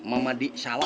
mama di sholat